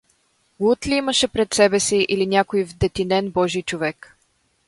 Луд ли имаше пред себе си или някой вдетинен божи човек?